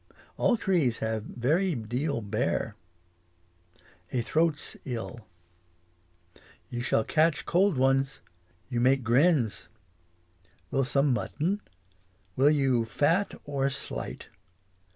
All trees have very deal bear. A throat's ill. 22 English as she is spoke. You shall catch cold one's. You make grins. Will some mutton? Will you fat or slight